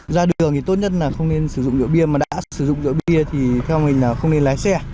ra đường thì tốt nhất là không nên sử dụng rượu bia mà đã sử dụng rượu bia thì theo mình là không nên lái xe